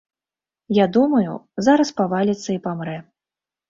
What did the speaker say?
Я думаю, зараз паваліцца і памрэ.